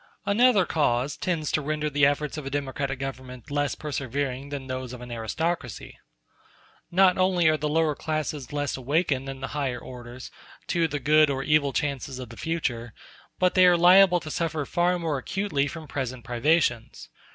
Another cause tends to render the efforts of a democratic government less persevering than those of an aristocracy. Not only are the lower classes less awakened than the higher orders to the good or evil chances of the future, but they are liable to suffer far more acutely from present privations.